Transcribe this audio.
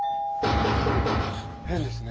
・変ですね。